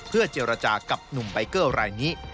เจรจากับหนุ่มใบเกอร์รายนี้